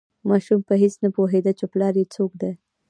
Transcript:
ماشوم په هیڅ نه پوهیده چې پلار یې څوک دی.